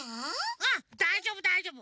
うんだいじょうぶだいじょうぶ！